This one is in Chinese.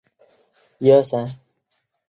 福雷地区蒙泰圭人口变化图示